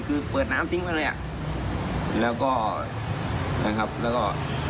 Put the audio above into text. คือเปิดน้ำทิ้งไปเลยอ่ะแล้วก็นะครับแล้วก็